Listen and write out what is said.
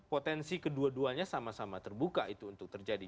potensi kedua duanya sama sama terbuka itu untuk terjadi